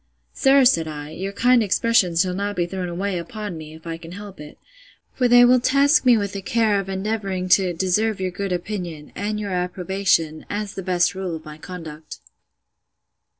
Sir, said I, your kind expressions shall not be thrown away upon me, if I can help it; for they will task me with the care of endeavouring to deserve your good opinion, and your approbation, as the best rule of my conduct.